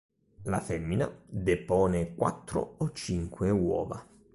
La femmina depone quattro o cinque uova.